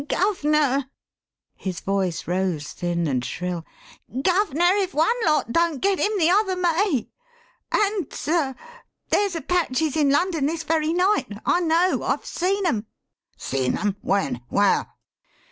Guv'ner!" his voice rose thin and shrill "guv'ner, if one lot don't get him, the other may; and sir there's Apaches in London this very night. I know! I've seen 'em." "Seen them? When? Where?"